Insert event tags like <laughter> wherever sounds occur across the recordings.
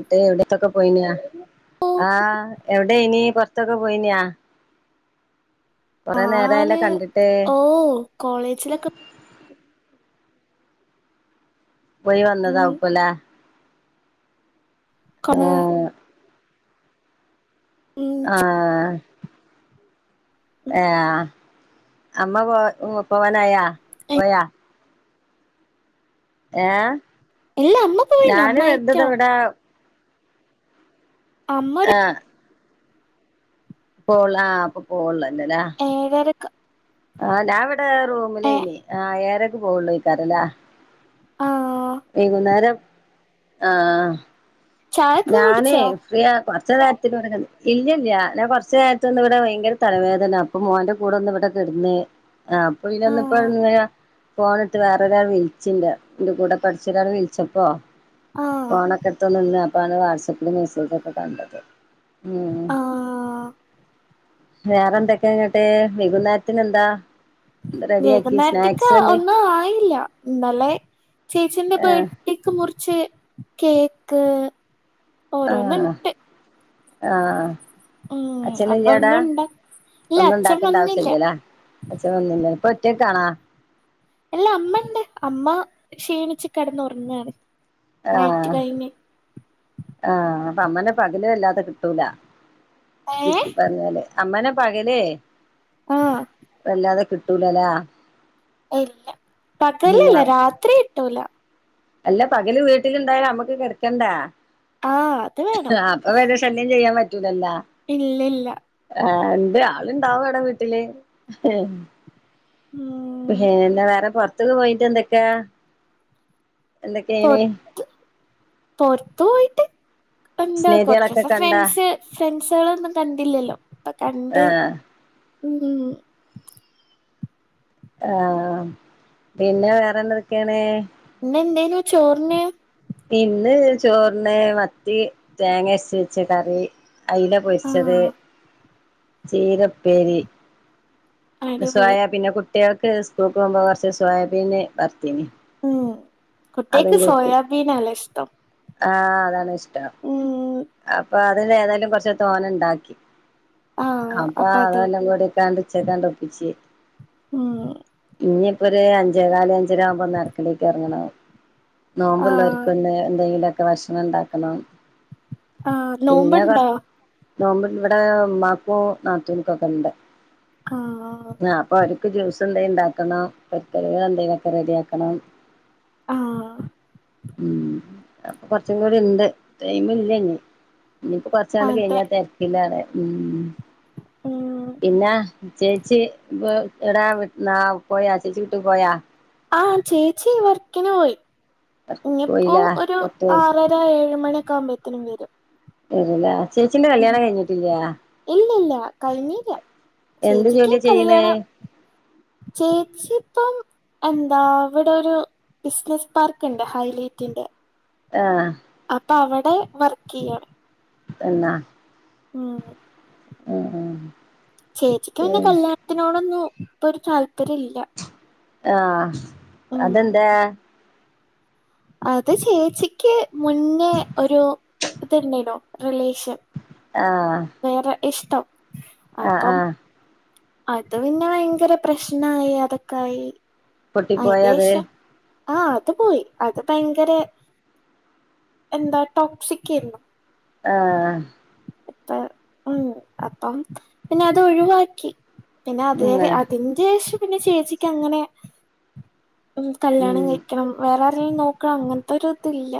ങ്‌ട്ട് എവിടെത്തൊക്കെ പോയിന്യ ഓ ആഹ് എവിടെനി പുറത്തൊക്കെ പോയിന്യാ നേരായല്ലോ ആന് കണ്ടിട്ട് ഓഹ് കോളേജിലൊക്കെ പോയി ഉം വന്നതാവുപ്പലെ <inaudible> ആഹ് ഉം ച- ആഹ് ഉം എഹ് ആഹ് അമ്മ പോ പോവാനായാ പോയാ ഏഹ് ഇല്ല അമ്മ പോയി അമ്മ ഞാന് ആയിട്ടോ എന്തതവിടാ അമ്മര് ആഹ് പോള്ള ആഹ് പ്പൊ പോള്ളല്ലല്ലേ ഏയ്‌ അരക് ആഹ് ഞാൻവിടെ റൂമിലേനി ആഹ് ഏയരക് പോവുള്ളയ്ക്കാരല്ലേ ആ വൈകുന്നേരം ആഹ് ചായക്ക് ഞാനേ കുടിച്ചോ ഫ്രീ അഹ് കൊർച്ച നേരത്തിന് വടെങ്‌ ഇല്ലല്ല ഞ കൊർച്ച നേരത് ഒന്ന് വടെ ഭയങ്കര തലവേദന ഇപ്പൊ മോന്റെ കൂടെ ഒന്ന് ഇവിടെകിടന്ന് എഹ്പ്പൊ ആ ഇതിനൊന്നിപ്പോ ങ്ങനാ ഫോണടുത് വേറൊരാൾ വിളിച്ചിണ്ട് ന്റെ കൂടെ പഠിച്ച ഒരാൾ വിളിച്ചപ്പോ ആ ഫോണൊക്കെ എടുത്ത നിന്ന്പ്പാണ് വാട്സാപ്പില് മെസ്സേജക്കെ കണ്ടത് ഉം ആ വേറെ എന്തൊക്കെയ ഇങ്ങട്ട് വൈകുന്നേരത്തിന് എന്താ റെഡിയാക്കി വൈകുന്നേരത്തേക്ക് സ്നാക്സ് എന്ത് ഒന്നും ആയില്ല ഇന്നലെ ചേച്ചിന്റെ ബേർ ട്ടിക്ക് മുറിച്ച് കേക്ക് ഓരോന്നുംണ്ട് ആഹഹ് ആഹ് ഉം അപ്പൊ അച്ഛനില്ല്യേ ഇലേ അടെ ഒന്നും ഉണ്ടാക്കി ഇല്ല ഒന്നും അച്ഛൻ ഉണ്ടാക്കണ്ട ആവശ്യ വന്നില്ല ഇല്ലലെ അച്ഛൻ വന്നിണ്ട് ഇപ്പൊ ഒറ്റക്കാണാ എല്ലാ അമ്മ ണ്ട് അമ്മ ക്ഷീണിച്ചു കടന്ന് ഉറങ്ങണ് ആഹ് ആഹ് അപ്പ അമ്മനെ പകല് വല്ലാതെ കിട്ടൂല ഏ ജികി പറഞ്ഞാലേ അമ്മനെ പകലേ ആഹ് വല്ലാതെ കി ട്ടൂലലെ ഇല്ല പിന്നെ പകലല്ല രാത്രി ഇട്ടൂല അല്ല പകല് വീട്ടിലിണ്ടായാലും അമ്മക്ക് കിടക്കണ്ടാ ആഹ് അത് വേണം അഹ് വരേ ശല്യം ചെയ്യാൻ പറ്റൂലല്ലാ ഇല്ല ഇല്ല ആഹ് എന്ത് ആളുണ്ടാവും അടാ വീട്ടില് ഉം പക്ഷെ ന്നെ വേറെ പൊർത്തക്കെ പോയിട്ട് എന്തൊക്കെ എന്തൊക്കെയിന് പൊർത്ത് പോയിട്ട് എന്താ കൊർച്ച് സ്നേഹിതികളൊക്കെ സം കണ്ടാ ഫ്രണ്ട്സ് ഫ്രണ്ട്സുകളൊന്നും കണ്ടില്ലല്ലോ ഇപ്പൊ കണ്ട് ഉം ആഹ് പിന്നെ വേറെന്തൊക്കെയാണ്? ഇന്ന് എന്തേനു ചോറിന്? ഇന്ന് ചോറിന് മത്തി തേങ്ങയരച്ച് വെച്ച കറി. അയില പൊരിച്ചത് ആഹ് ചീര ഉപ്പേരി അടിപൊളി സോയാ പിന്നെ കുട്ട്യേക്ക് സ്കൂക്ക് പോകുമ്പോ കൊർച്ച് സോയാബീന് വർത്തീനി. ഉം കുട്ട്യേക്ക് സോയാബീനാല്ലെ ഇഷ്ടം? ആഹ് അതാണ് ഇഷ്ടം ഉം അപ്പ അതില് ഏതായാലും കൊർച്ച് തോനണ്ടാക്കി. ആഹ് അപ്പൊ അത് അതെല്ലാം കൂടി കാണ്ട് ഉച്ചക്കാണ്ട് ഒപ്പിച്ച്. ആഹ് ഇനിയിപ്പോ ഒര് അഞ്ചേകാല് അഞ്ചര ആവുമ്പോ ഒന്ന് അട്ക്കലേക്ക് എറങ്ങണം. നോമ്പുള്ളോർക്ക് ആഹ് ഒന്ന് എന്തെങ്കിലുക്കെ ഭക്ഷണം ഉണ്ടാക്കണം. ആഹ് പിന്നെ നോമ്പുണ്ടോ കൊറ് നോമ്പ് ഇവടെ ഉമ്മാക്കും നാത്തൂൻക്കൊക്കെ ഇണ്ട്. ആഹ് ആഹ് ആഹ് ആഹ് അപ്പൊ അവർക്ക് ജ്യൂസ് എന്തേ ഉണ്ടാക്കണം പ്രത്യേകം എന്തെങ്കിലൊക്കെ റെഡിയാക്കണം. ആഹ് ഉം അപ്പൊ കൊറച്ചും കൂടി ഇണ്ട് ടൈമ് ഇല്ല ഇനി. ഇനിയിപ്പോ കൊറച്ചാള് അതെ കഴിഞ്ഞാ തെരക്കില്ലാലേ ഉം. ഉം പിന്നെ? ചേച്ചി വ് ഇടാൻ ന്ന പോയ ചേച്ചി വീട്ട് പോയാ? ആഹ് ചേച്ചി വർക്കിന് പോയി ഇനിപ്പോ പോയിലാ ഒരു പുറത്ത് പോയി ആറ ഏഴ് മണിക്കെ ആകുമ്പോത്തേനും വരും. വരും ല്ലേ. ചേച്ചിന്റെ ഉം കല്യാണം കഴിഞ്ഞിട്ടില്ലേ? ഇല്ലില്ല കഴിഞ്ഞില്ല എന്ത് ജോലി ചെയ്യ്ണേ? ചേച്ചിപ്പം എന്താ ഇവടെ ഒരു ബിസിനസ് പാർക്ക് ണ്ട് ഹൈലൈറ്റിന്റെ. ഏഹ് അപ്പ അവടെ വർക്ക് യ്യാണ്. തന്നാ ഉം ഉം ചേച്ചിക്ക് പിന്നെ ഉം കല്യാണത്തിനോടൊന്നും ഇപ്പൊ ഒരു താല്പര്യം ഇല്ല. ആഹ് ഉം അതെന്ത്യേ? അത് ചേച്ചിക്ക് മുന്നേ ഒരു ഇത്ണ്ടേനു റിലേഷൻ. ആഹ് വേറെ ഇഷ്ടം ആഹ് അപ്പം ആഹ് അത് പിന്നെ ഭയങ്കര പ്രശ്നായി അതൊക്കായി പൊട്ടിപ്പോയത് അയിൻ്റെശം ആഹ് അത് പോയി അത് ഭയങ്കര എന്താ ടോക്സിക്കേയിരുന്നു. ആഹ് അപ്പ ഉം അപ്പം പിന്നെ അത് ഒഴിവാക്കി. പിന്നെ അത് വരെ അതിന്റെ ശേഷം പിന്നെ ചേച്ചിക്ക് അങ്ങനെ കല്യാണം ഉം കഴിക്കണം വേറെ ആരെങ്കിലും നോക്കണം അങ്ങൻത്തൊരു ഇതില്ല.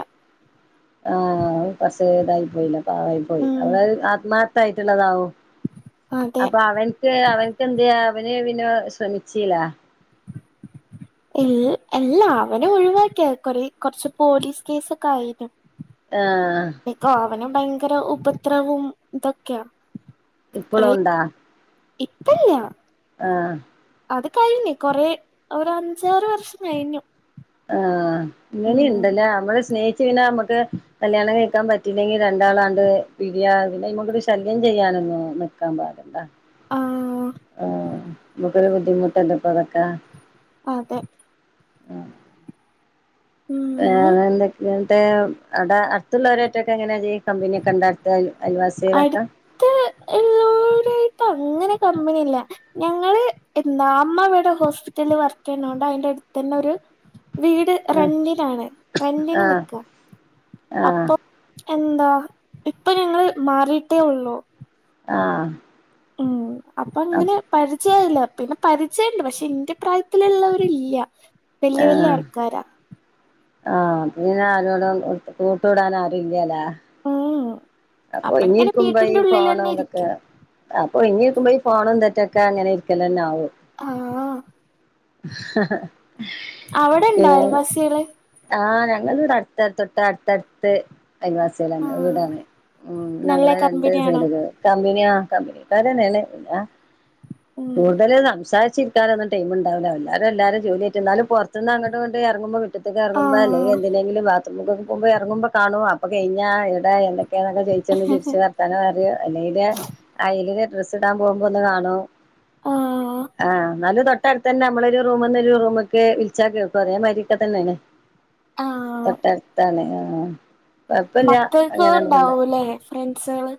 ആഹ് പക്ഷേ ഇതായി പോയില്ലെ പാവായി പോയി ഉം അവളത് ആത്മാർത്ഥ ആയിട്ട്ള്ളതാവും. അതെ അപ്പ അവൻക്ക് അവൻക്കന്ത് അവന് പിന്നെ ശ്രമിച്ചീലേ? <inaudible> ൽ എല്ല അവനെ ഒഴിവാക്കിയ. കൊറെ കൊറച്ച് പോലീസ് കേസൊക്കെ ആയിരുന്നു. ആഹ്‌ പ്പൊ അവന് ഭയങ്കര ഉപദ്രവും ഇതൊക്കെയ. ഇപ്പളും ഉണ്ടാ? ഇപ്പല്യ ആഹ്‌ അത് കഴിഞ്ഞി. കൊറേ ഒരഞ്ചാറ് വർഷം കഴിഞ്ഞു. ആഹ്‌. ഉം ഇങ്ങനീണ്ടല്ല നമ്മള് സ്നേഹിച്ചു പിന്നെ മ്മക്ക് കല്യാണം കയിക്കാൻ പറ്റില്ലെങ്കിൽ രണ്ടാളാണ്ട് പിരിയാ. പിന്നെ നമുക്കൊരു ശല്യം ചെയ്യാനൊന്നും നിക്കാൻ പാടില്ല. ആഹ്‌ ആഹ് നമുക്കൊരു ബുദ്ധിമുട്ടല്ലപ്പ അതൊക്കെ. അതെ ഉം വേറെന്തൊക്കെ ഇണ്ട് ആടെ അടുത്തുള്ളവരായിട്ടൊക്കെ എങ്ങനെയാ ജ്ജ് കമ്പനിയൊക്കെണ്ട? അൽ അയൽവാസികളൊക്ക ക്ക എല്ലോരായിട്ടും അങ്ങനെ കമ്പിനിയില്ല. ഞങ്ങള് എന്താ അമ്മവിടെ ഹോസ്പിറ്റല് വർക്ക്യ്യണോണ്ട് അയിന്റെ അടുത്തന്നെ ഒരു വീട് ആഹ് റെന്ഡിനാണ്. റന്റിന് ആഹ് നിക്ക ആഹ് അപ്പം എന്താ ഇപ്പൊ ഞങ്ങള് മാറിട്ടേ ഉള്ളു. ആഹ്‌ ഉം അപ്പൊങ്ങനെ പരിച് യല്ല. പിന്നെ പരിചയണ്ട്. പക്ഷെ ഇന്റെ പ്രായത്തിലുള്ളവരില്ല്യ വല്യ വല്യ ആൾക്കാരാ. ആഹ്‌ പിന്നെ ആരോടും കൂട്ടുടാൻ ആരുല്യലേ? മ്മ്ഹ്ഹ് അപ്പൊ ഇനിരിക്കും പൈ പോണതൊക്കെ ഇരിക്കും അപ്പൊ ഇനി ക്കുമ്പോ ഈ ഫോണും തെറ്റൊക്കെ അങ്ങനെ ഇരിക്കലന്നാവും. ആഹ് പിന്നെ ചിറ ആഹ്‌ ഞങ്ങള് വിടെ അടുത്തടുത്തൊട്ട് അടുത്തടുത്ത് അയൽവാസ്യ. ഞമ്മടെ ആഹ് വീടാണ്. ഉം നല്ല ഞങ്ങളേ രണ്ട് കമ്പനിയാണോ സൈഡിലും. കമ്പനിയ ആ കമ്പനിക്കാരന്നെയാണ് പിന്നെ ഉം കൂടുതല് സംസാരിച്ചിരിക്കും. നിക്കാനെന്നും ടൈം ഉണ്ടാവില്ല. എല്ലാരും എല്ലാരെ ജോലിയാറ്റ് ന്നാലും പോർതന്ന് അങ്ങോട്ട് ഇങ്ങട്ട് എറങ്ങുബോ തേക്ക് ഇറങ്ങുമ്പോ അല്ലെങ്കി ആഹ് എന്തിനെങ്കിലും ബാത്റൂം പോമ്പോ ഇറങ്ങുമ്പോ കാണു. പ്പൊ കയിഞ്ഞ ഏതാ എന്താ ക്കെ ജയിച്ചന്ന് ചിരിച്ചത ർത്താനം പറയോ അല്ലെങ്കില് അയലിന് ഡ്രസ്സ് ഇടാൻ പോമ്പോ ഒന്ന് കാണു ആഹ് ആഹ് ന്നാലും തൊട്ടടുത്ത് തന്നെ. നമ്മളൊരു റൂംന്ന് ഒരു റൂമ്ക്ക് വിളിച്ചാ കേക്കും അതേ മാരിതന്നെയാണ്. ആഹ് തൊട്ടടുത്താണ്. ആഹ്‌ മക്കൾക്ക് ഉണ്ടാവൂല്ലേ ഫ്രണ്ട്സള്.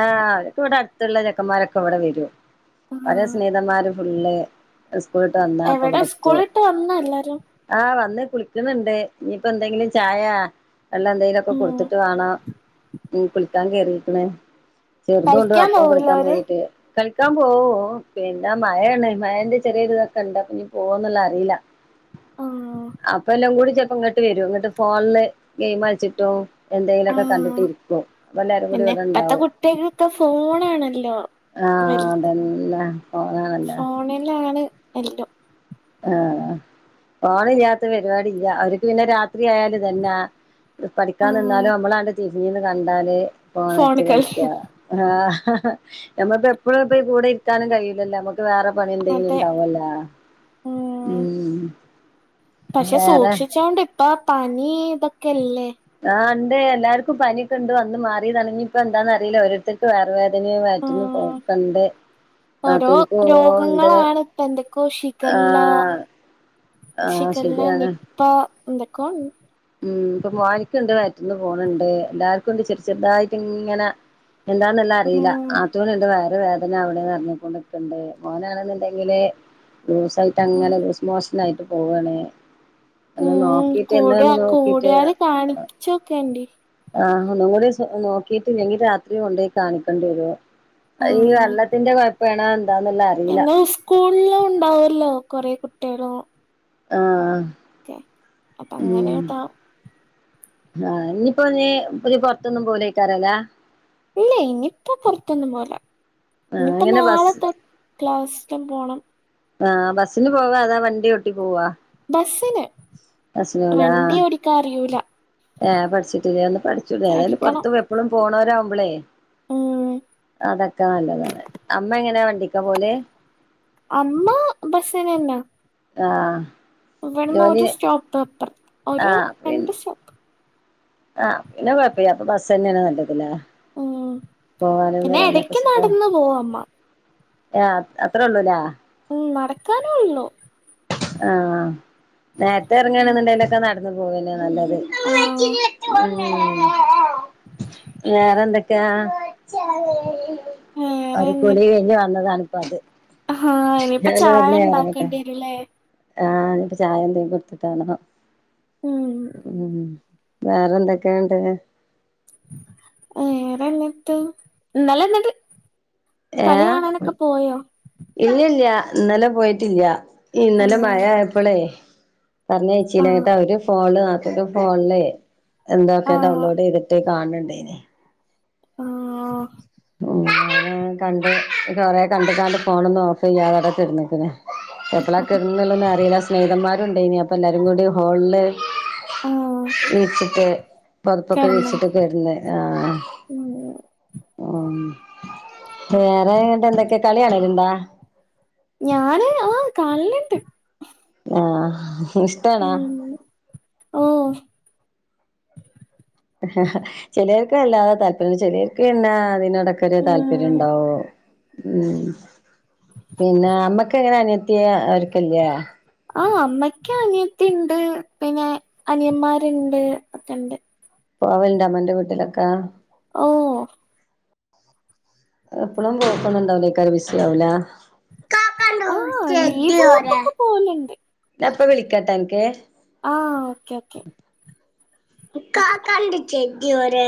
ആഹ്‌ അവര്ക് ഇവിടെ അടുത്തുള്ള ചെക്കന്മാരൊക്കെ ഇവിടെ വരും. ഓരെ ആഹ് സ്നേഹതന്മാര് ഫുള്ള് സ്കൂളിട്ട് വന്നാ അപ്പൊ എവിടെ ഇവിടെത്തും. സ്കൂളിട്ട് വന്നോ എല്ലാരും ആഹ് വന്ന് കുളിക്ക്ന്ന്ണ്ട്. ഇനിയിപ്പന്തെങ്കിലും ചായ വെള്ളം എന്തെലുംക്കെ ഉം കൊടുത്തിട്ട് വേണോ ഉം കുളിക്കാൻ കേറീക്ക്ണ്. ചെറുതൂണ്ട് കളിക്കാൻ അപ്പം പോവൂലേ കുളിക്കാൻ അവര് പോയിട്ട്. കളിക്കാൻ പോവോ? പിന്നെ മഴണ്. മഴന്റെ ചെറിയൊരു ഇതൊക്കെ ഇണ്ട് പ്പൊനി പോവന്നുള്ളതറീല. ആഹ്‌ അപ്പല്ലാം കൂടി ചെലപ്പ ങ്ങട്ട് വരും ന്നിട്ട് ഫോണില് ഗെയിംകളിച്ചിട്ടും എന്തെങ്കിലുമൊക്കെ കണ്ടിട്ട് ആഹ് ഇരിക്കും അപ്പ എല്ലാരും കൂടി പിന്നെ ഇവിടെ ഇപ്പത്തെ ഇണ്ടാവും കുട്ടികൾക്കൊക്കെ ഫോണാണല്ലോ ആഹ വലുത് അതന്നെ പോകാനല്ലെ എണിറ്റോ ആഹ പോണില്ലാത്ത പരിപാടി ഇല്ല അവർക്ക് പിന്നെ രാത്രി ആയലും തന്നെ പഠിക്കാ ആഹ് നിന്നാലും നമ്മളാണ്ട് തിരിഞ്ഞ് നിന്ന്കണ്ടാല് ഫോൺ ഫോണ് ട്ട് കളി കളിക്കാ ആഹ നമ്മക്ക് എപ്പഴും ഇപ്പ കൂടെ ഇരിക്കാനും കഴിലല്ലോ നമക്ക് വേറെ പണി എന്തെങ്കിലും ഉണ്ടാവോല്ലേ ഉ പക്ഷെ വേറെ സൂക്ഷിച്ചോണ്ട് പ്പ പനി ഇതക്കല്ലേ ആ ഉണ്ട് എല്ലാർക്കും പനിക്കെ ഉണ്ട് വന്ന് മാറിതാണ് ഇനി ഇപ്പൊ എന്താന്ന അറിയില്ല ഒരോത്തർക്ക് വയറ് വേദനയുംവയറ്റിന്ന് ആഹ് പോക്കണ്ട് ഓരോ നാത്തൂൻ പോവണ്ട് രോഗങ്ങളാണ് ഇപ്പ എന്തൊക്കോ ഷിഗല്ല ആഹ ആഹ ശരിയാണ് ഇപ്പ എന്തക്കഉണ്ട് ഉം ഇപ്പൊ മോനിക്കുണ്ട് വയറ്റിന്ന് പോണണ്ട് എല്ലാർക്കും ഇണ്ട് ചെറു ചെറതായിട്ട് ഇങ്ങനെ എന്താന്നല്ലാം അറിയില്ല ഉം നാത്തൂനുണ്ട് വയറ് വേദന വേദന അവിടെന്ന്പറഞ്ഞു നിറഞ്ഞൊണ്ടിക്കുന്നുണ്ട് ഓ നാണെന്നുണ്ടെങ്കില് ലൂസായിട്ട് അങ്ങനെ ലൂസ് മോഷ നായിട്ട് പോവണേ അന്ന് ഉം നോക്കിട്ട് കൂടിയ എന്തഅന്നും കൂടിയാല് കാണിപ്പിച്ചൊക്കെണ്ട് ആഹ് ഒന്നും കൂടി നോക്കിട്ട് ഇല്ലെങ്കിൽ രാത്രി കൊണ്ടോയി കാണിക്കേണ്ടി വരുവോ ഈ വെള്ളത്തിന്റെ കൊഴപ്പാണോ എന്താണ്ന്നറിയില്ല എന്നാ സ്കൂളില ഉണ്ടാവല്ലോ കൊറെേ കുട്ടികളും ആഹ അപ്പ അങ്ങനെയട്ട ആഹ ഇനിയിപ്പോ നീഅവര് പുറത്തൊന്നും പോവില്ല ഐക്കാരും അല്ലെ ഇല്ല ഇനിപ്പോ പുറത്തൊന്നും പോവുല ആഹ് ഇനിപ്പോ എങ്ങനെ ബസ് നാളെ തന്നെ ക്ലാസിക്കെ പോണം ആഹ ബസ്സിന് പോവാ അതാ വണ്ടി ഒട്ടി പോവാ ബസ്സില് വണ്ടി ഓടിക്കാ അറിയൂല ഏ പഠിട്ടില്ലേ ഒന്ന് പഠിച്ചൂടേ ഏതായാലും പഠിക്കണം പുറത്തും എപ്പഴും പോണവരാ ആവുമ്പോളേയ് ഉം അതൊക്കെ നല്ലതാണ് അമ്മ എങ്ങനെയാ വണ്ടിക്കാ പോവൽ അമ്മ ബസിനന്നാ ആഹ ഇവിടുന്ന് ഒരു സ്റ്റോപ്പ് അപ്പറത്ത് ഒരു രണ്ട് സ് റ്റോപ ആഹ പിന്നെ കുഴപ്പമല്യ അപ്പൊ ബസ് തന്നെയന്നെ നല്ലതല്ലേ ഉം പോകാനും പിന്നെ വരാനൊക്കെ എടക്ക് സുഖം നടന്നു പോവും അമ്മ ഏ അത്രേ ഉള്ളൂലേ ഉം നടക്കാനേ ഉള്ളൂ ആഹ നേരത്തെ ഉം ഇറങ്ങണെന്നണ്ടലൊക്കെ നടന്നു പോവന്നെ നല്ലത് <unintelligible> ആഹ് ഉ വേറെന്തക്ക യാ വേറെ ഒരു എന്നി കുളി കഴിഞ്ഞ് വന്നതാണ് ഇപ്പൊ അത് ഹാ ഇനിയിപ്പ ചായ ഉണ്ടാക്കേണ്ടി വരൂല്ലേ ആഇനിപ്പോ ചായ എന്തെലും കൊടുത്തിട്ടണോ ഉം ഉ വേറെ എന്തൊക്കെ ഉണ്ട് വേറെ എന്നിട്ട് ഇന്നലെന്നിട്ട് ഏഹ് ഇല്ല ഇല്ല ഇന്നലെ പോയിട്ടില്ല ഇന്നലെ ആഹ് മഴയപ്പോളേ ആഹ് പറഞയച്ചില്ലട്ട് അവര് ഫോണ് നാത്തുൻ്റെ ഫോണിലേ എന്തൊക്കെ ആഹ് ഡൗൺലോഡ് ചെയ്തിട്ട് കാണുണ്ണ്ടേനി ആഹ് ഉം കണ്ട് കുറെ കണ്ട കാണ്ട് ഫോണൊന്നും ഓഫ് ചെയ്യാതടത്ത് കെടന്ന്ക്കണ് എപ്പളാ കിടൊന്നും അറിയില്ല സ്നേഹിതന്മാരുണ്ട് ഇനി അപ്പൊ എല്ലാരുംകുടി ഹോളില് ആഹ് വീച്ചിട്ട് പൊതപ്പൊക്കെ വീച്ചിട്ട കെടന്നിണ്ട് കെടന്ന് ആഹ് ഉം ഉം വേറെങ്ങട്ട എന്തൊക്കെയാ കളി കാണലിണ്ട ഞാന് ആഹ് കാണലിണ്ട് ആഹ് ഇഷ്ടണാ ഉം ഓഹ് ചിലർക്ക അല്ലാതെ തല്പര്യം ചിലർക്ക് എന്നാ അതിനോ ഇതൊക്കെറിയ താല്പര്യം ഉം ഉണ്ടാവോ ഉം പിന്നെ അമ്മക്ക് എങ്ങനെ അനിയത്തി ആക്കല ആഹ് അമ്മക്ക് അനിയത്തിണ്ട് പിന്നെ അനിയമാരുണ്ട് ഒക്കെണ്ട് പോവൽണ്ട അമ്മന്റെ വീട്ടിലൊക്കെ ഓഹ് എപ്പഴും പോക്കൊന്നും ണ്ടാവില്ലേക്കാെ ബിസി ആവുല്ലേ ആഹ് ലീവുള്ളപ്പൊക്കെ പോവല്ണ്ട് ഞാപ്പ വിളിക്കട്ടോ അനക്ക് ആഹ് ഓക്കേ ഓക്കെ കാക്കാന്റെ ചെഡി ഓടെ